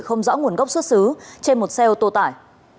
không rõ nguồn gốc xuất xứ trên một xe ô tô tải